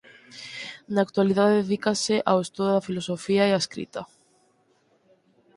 Na actualidade dedícase ao estudo da filosofía e á escrita.